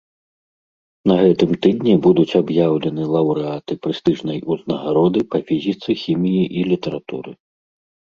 На гэтым тыдні будуць аб'яўлены лаўрэаты прэстыжнай узнагароды па фізіцы, хіміі і літаратуры.